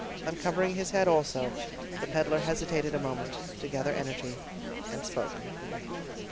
Uncovering his head also, the peddler hesitated a moment, to gather energy, and spoke.